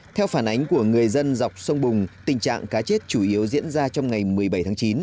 theo phản ánh của người dân dọc sông bùng tình trạng cá chết chủ yếu diễn ra trong ngày một mươi bảy tháng chín